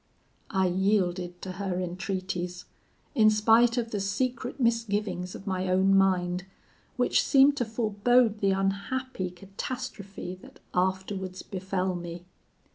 "I yielded to her entreaties, in spite of the secret misgivings of my own mind, which seemed to forebode the unhappy catastrophe that afterwards befell me.